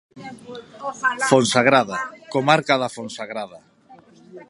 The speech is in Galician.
Fonsagrada, comarca da Fonsagrada.